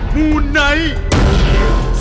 หมู่ไนท์